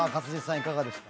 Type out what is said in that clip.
いかがでした？